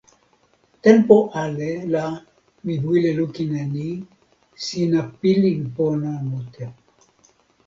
tenpo ale la mi wile lukin e ni: sina pilin pona mute.